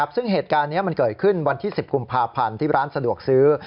ซึ่งเหตุการณ์นี้มันเกิดขึ้นวันที่๑๐กุมภาพันธ์ที่ร้านสะดวกซื้อ